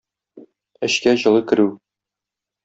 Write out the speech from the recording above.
Эчкә җылы керү